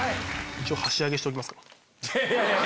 一応箸上げしておきますか。